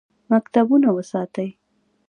مکتبونه وساتئ